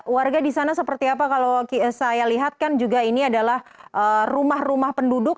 warga di sana seperti apa kalau saya lihat kan juga ini adalah rumah rumah penduduk